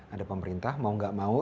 ada pemerintah mau gak mau